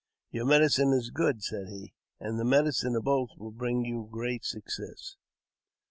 *' Your medicine is good," said he, " and the medicine of both will bring you great success."